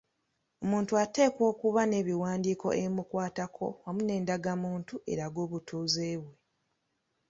Omuntu ateekwa okuba n’ebiwandiiko ebimukwatako wamu n’endagamuntu eraga obutuuze bwe.